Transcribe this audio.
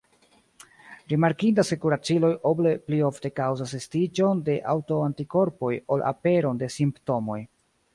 Rimarkindas ke kuraciloj oble pli ofte kaŭzas estiĝon de aŭtoantikorpoj ol aperon de simptomoj.